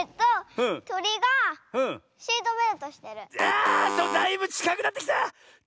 あだいぶちかくなってきた！